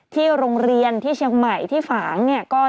ที่โรงเรียนเชียงใหม่ฝาง๑๕๕